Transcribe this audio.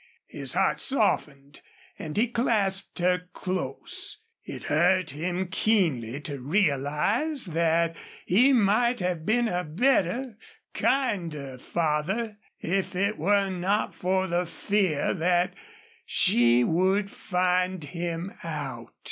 His heart softened and he clasped her close. It hurt him keenly to realize that he might have been a better, kinder father if it were not for the fear that she would find him out.